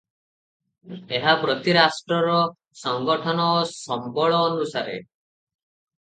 ଏହା ପ୍ରତି ରାଷ୍ଟ୍ରର ସଂଗଠନ ଓ ସମ୍ୱଳ ଅନୁସାରେ ।